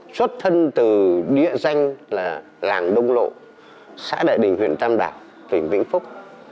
xuất thân từ địa danh là làng đông lộ xã đại đình huyện tam đảo tỉnh vĩnh phúc